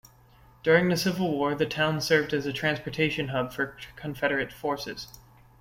During the Civil War the town served as a transportation hub for Confederate forces.